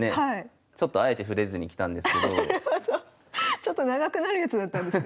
ちょっと長くなるやつだったんですね。